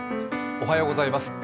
おはようございます。